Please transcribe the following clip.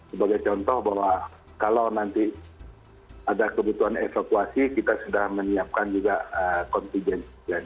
sebagai contoh bahwa kalau nanti ada kebutuhan evakuasi kita sudah menyiapkan juga kontingensi